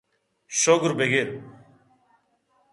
شُگر بِہ گر